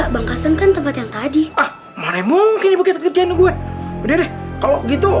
bangkasan kan tempat yang tadi ah mana mungkin begitu jenuh gue udah kalau gitu